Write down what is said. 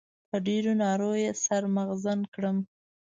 په ډېرو نارو يې سر مغزن کړم.